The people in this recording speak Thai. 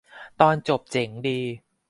ตอนจบเจ๋งดี